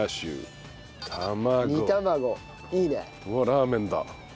ラーメンだ。